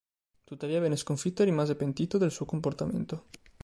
Tuttavia venne sconfitto e rimase pentito del suo comportamento.